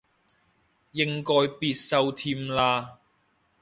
應該必修添啦